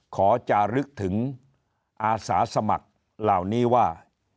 ขอจะลึกถึงอาสาสมัครเหล่านี้ว่า